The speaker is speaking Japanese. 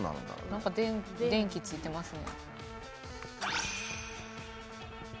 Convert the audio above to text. なんか電気付いてますね。